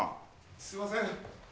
すいません。